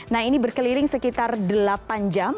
nah ini berkeliling sekitar delapan jam